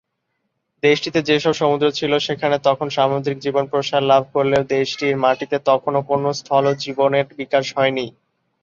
দেশটিতে যেসব সমুদ্র ছিল সেখানে তখন সামুদ্রিক জীবন প্রসার লাভ করলেও দেশটির মাটিতে তখনও কোনও স্থলজ জীবনের বিকাশ হয়নি।